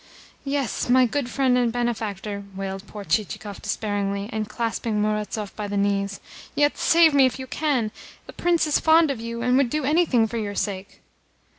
"Yes, my good friend and benefactor," wailed poor Chichikov despairingly, and clasping Murazov by the knees. "Yet save me if you can! The Prince is fond of you, and would do anything for your sake."